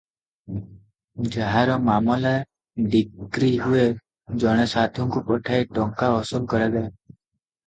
ଯାହାର ମାମଲା ଡିକ୍ରୀ ହୁଏ ଜଣେ ସାଧୁଙ୍କୁ ପଠାଇ ଟଙ୍କା ଅସୁଲ କରାଯାଏ ।